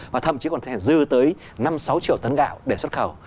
và thậm chí còn có thể dư tới năm sáu triệu tấn gạo để xuất khẩu